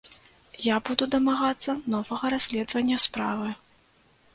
Я буду дамагацца новага расследавання справы.